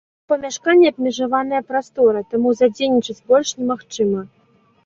У памяшканні абмежаваная прастора, таму задзейнічаць больш немагчыма.